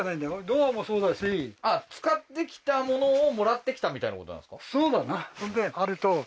ドアもそうだしあっ使ってきたものをもらってきたみたいなことなんですか？